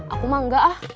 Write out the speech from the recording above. aku mah enggak ah